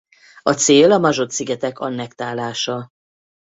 A cél a Mayotte-sziget annektálása.